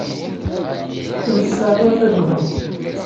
Ur tesɛiḍ ara tagdeḍ.